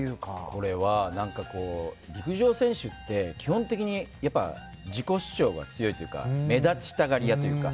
これは、陸上選手って基本的に自己主張が強いというか目立ちたがり屋というか。